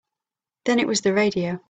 Then it was the radio.